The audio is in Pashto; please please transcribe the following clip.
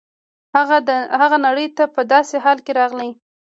هغه نړۍ ته په داسې حالت کې راغلی.